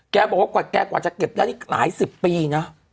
แกบอกว่าแกกว่าจะเก็บได้หลาย๑๐ปีนะ